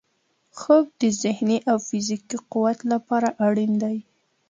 خوب د ذهني او فزیکي قوت لپاره اړین دی